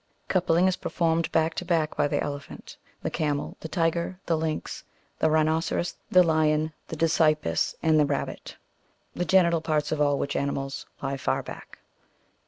Coupling is performed back to back by the elephant, the camel, the tiger, the lynx, the rhinoceros, the lion, the dasy pus, and the rabbit, the genital parts of all which animals lie far back.